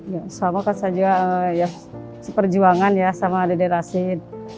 ya sama kan saja ya seperjuangan ya sama dede rashid